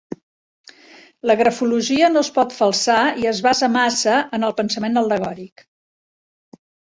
La grafologia no es pot falsar i es basa massa en el pensament al·legòric.